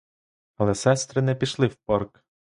Але сестри не пішли в парк.